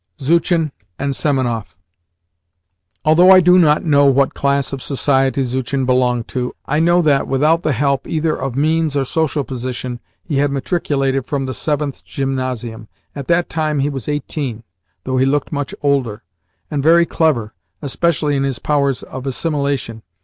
ZUCHIN AND SEMENOFF Although I do not know what class of society Zuchin belonged to, I know that, without the help either of means or social position, he had matriculated from the Seventh Gymnasium. At that time he was eighteen though he looked much older and very clever, especially in his powers of assimilation.